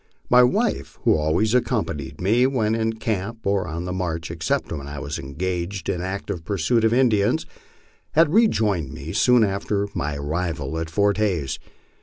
My wife, who always accompanied me when in camp or on the march except when I was engaged in active pursuit of Indians, had rejoined me soon after my arrival at Fort Hays.